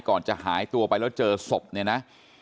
ก่อนจะหายตัวไปแล้วเจอศพเนี่ยนะ